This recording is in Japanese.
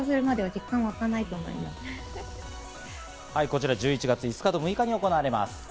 こちら１１月５日と６日に行われます。